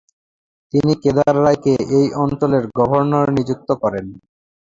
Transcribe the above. তিনি কেদার রায়কে এই অঞ্চলের গভর্নর নিযুক্ত করেন।